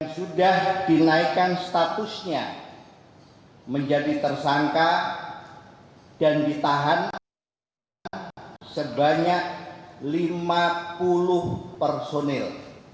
sudah dinaikkan statusnya menjadi tersangka dan ditahan sebanyak lima puluh personil